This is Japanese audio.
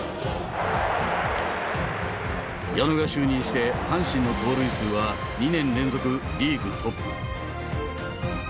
矢野が就任して阪神の盗塁数は２年連続リーグトップ。